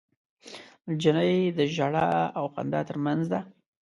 نجلۍ د ژړا او خندا تر منځ ده.